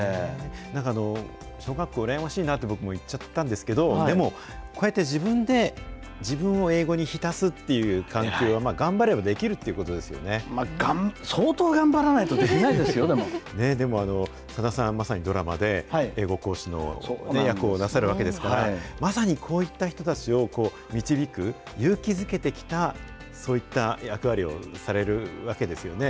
なんか、小学校羨ましいなと僕も言っちゃったんですけど、でも、こうやって自分で自分を英語に浸すっていう環境は頑張ればで相当頑張らないとできないででも、さださん、まさにドラマで英語講師の役をなさるわけですから、まさにこういった人たちを、導く、勇気づけてきた、そういった役割をされるわけですよね。